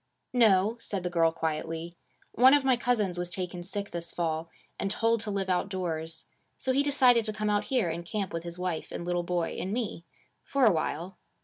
'No,' said the girl quietly. 'One of my cousins was taken sick this fall, and told to live outdoors. So he decided to come out here and camp with his wife and little boy and me. For a while.'